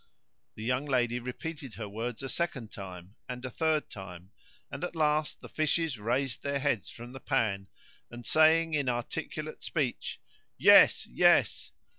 The young lady repeated her words a second time and a third time, and at last the fishes raised their heads from the pan, and saying in articulate speech "Yes! Yes!"